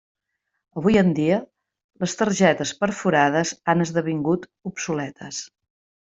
Avui en dia, les targetes perforades han esdevingut obsoletes.